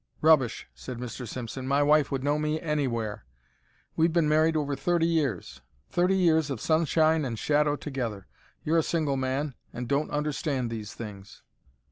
"Rubbish," said Mr. Simpson. "My wife would know me anywhere. We've been married over thirty years. Thirty years of sunshine and shadow together. You're a single man, and don't understand these things."